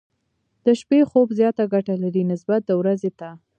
د شپې خوب زياته ګټه لري، نسبت د ورځې ته.